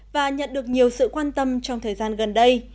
và nhận được nhiều sự quan tâm trong thời gian gần đây